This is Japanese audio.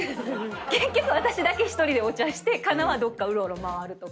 結局私だけ１人でお茶して佳奈はどっかうろうろ回るとか。